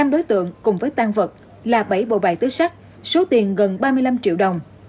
năm đối tượng cùng với tan vật là bảy bộ bài túi sách số tiền gần ba mươi năm triệu đồng